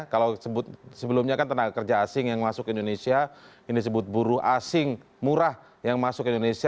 kalau sebelumnya kan tenaga kerja asing yang masuk ke indonesia ini disebut buruh asing murah yang masuk ke indonesia